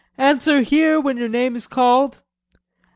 "Answer 'Here' when your name is called.